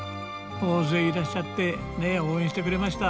大勢いらっしゃって応援してくれました。